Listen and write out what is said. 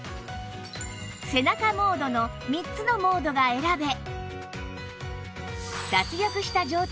背中モードの３つのモードが選べ